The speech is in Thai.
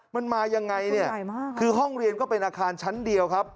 มันมายังไงเนี่ยคือห้องเรียนก็เป็นอาคารชั้นเดียวครับ